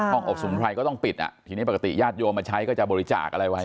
ห้องอบสมุนไพรก็ต้องปิดอ่ะทีนี้ปกติญาติโยมมาใช้ก็จะบริจาคอะไรไว้